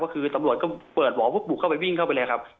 ก็คือตำรวจก็เปิดหวอปุ๊บบุกเข้าไปวิ่งเข้าไปเลยครับ